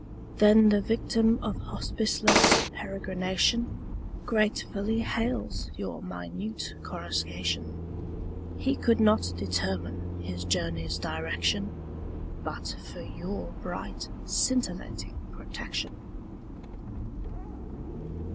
Saintc Margirie 4T7 Then the yictiin of hospiceless peregrination Gratefully hails your minute coruscation. He could not determine his journey's direction But for your bright scintillating protection.